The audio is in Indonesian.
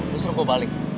lu suruh gue balik